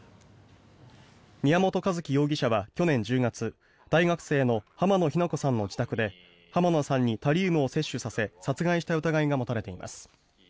宮本一希容疑者は去年１０月大学生の浜野日菜子さんの自宅で浜野さんにタリウムを摂取させ殺害した疑いが持たれています。